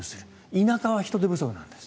田舎は人手不足なんです。